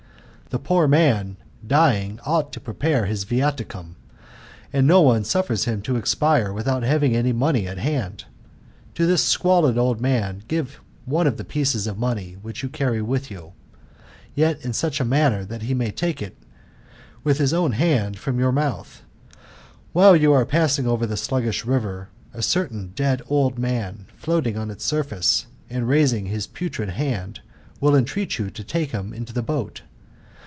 The poor man, dying, ought to prepare his viaticum ; and no one suffers him to expire without having money at hand. To this squalid Old man give One of the pieces of money which you carry with you ; yef in such a manner, that he may take with his own hand hova your mouth. While you are passing over the sluggish river, a certain dead old man, floating on its surface, and raising his putrid hand, will entreat you to take him into the boat.